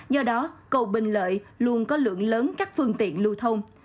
do đó cầu bình lợi luôn có lượng lớn các phương tiện lưu thông